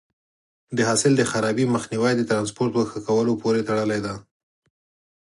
د حاصل د خرابي مخنیوی د ټرانسپورټ په ښه کولو پورې تړلی دی.